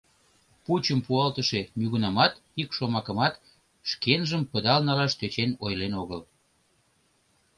Пучым пуалтыше нигунамат ик шомакымат шкенжым пыдал налаш тӧчен ойлен огыл.